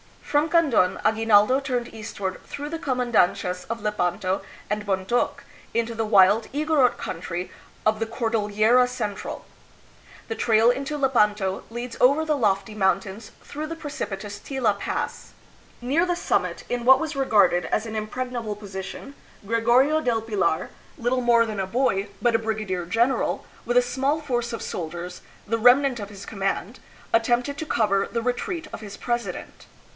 From Kandon, Aguinaldo turned eastward through the comandancias of Lepanto and Bontok, into the wild Igorot country of the Cor dillera Central. The trail into Lepanto leads over the lofty mountains through the precipitous Tila Pass. Near the summit, in what was regarded as an impregnable position, Gregorio del Pilar, little more than a boy, but a 304 THE PHILIPPINES. brigadier general, with a small force of soldiers, the rem nant of his command, attempted to cover the retreat of his president.